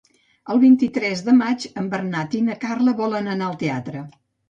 El vint-i-tres de maig en Bernat i na Carla volen anar al teatre.